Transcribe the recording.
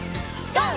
ＧＯ！